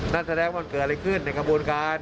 นั่นแสดงว่าเกิดอะไรขึ้นในกระบวนการ